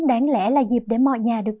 đáng lẽ là dịp để mọi nhà được